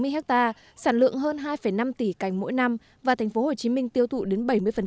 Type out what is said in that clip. một bảy trăm sáu mươi hectare sản lượng hơn hai năm tỷ cành mỗi năm và thành phố hồ chí minh tiêu thụ đến bảy mươi